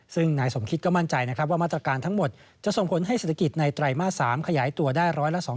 ซึ่งนายสมคิดก็มั่นใจนะครับว่ามาตรการทั้งหมดจะส่งผลให้เศรษฐกิจในไตรมาส๓ขยายตัวได้๑๒๐